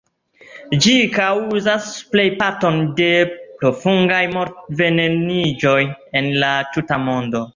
Ĝi kaŭzas plejparton de profungaj mort-veneniĝoj en la tuta mondo.